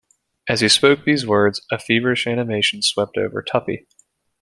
As he spoke these words, a feverish animation swept over Tuppy.